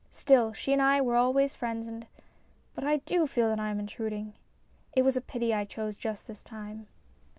Still, she and I were always friends and But I do feel that I am intruding. It was a pity I chose just this time."